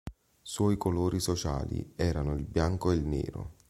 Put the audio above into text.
Suoi colori sociali erano il bianco e il nero.